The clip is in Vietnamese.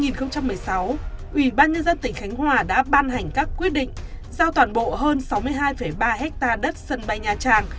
năm hai nghìn một mươi sáu ủy ban nhân dân tỉnh khánh hòa đã ban hành các quyết định giao toàn bộ hơn sáu mươi hai ba ha đất sân bay nhà trang